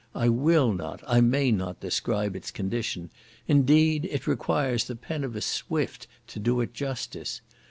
I will not, I may not describe its condition; indeed it requires the pen of a Swift to do it justice.